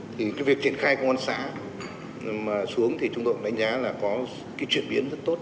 thì cái việc triển khai công an xã mà xuống thì chúng tôi cũng đánh giá là có cái chuyển biến rất tốt